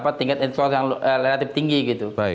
punya tingkat internasional yang relatif tinggi gitu